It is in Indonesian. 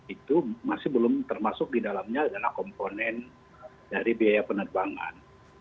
itu masih belum termasuk di dalamnya adalah komponen dari biaya penerbangan